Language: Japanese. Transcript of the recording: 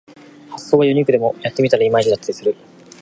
発想はユニークでもやってみたらいまいちだったりする